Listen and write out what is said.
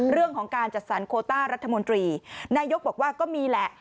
เรื่องของการจัดสรรโคต้ารัฐมนตรีนายกบอกว่าก็มีแหละ